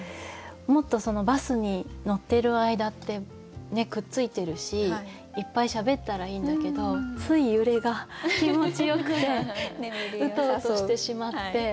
もっとバスに乗っている間ってくっついてるしいっぱいしゃべったらいいんだけどつい揺れが気持ちよくてウトウトしてしまって。